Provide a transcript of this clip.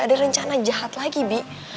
ada rencana jahat lagi bi